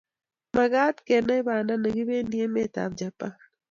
Magaat kenai Banda negipendi emetab Japan